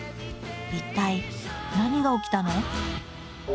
一体何が起きたの？